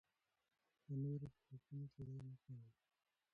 د نورو په حقونو تېری مه کوئ.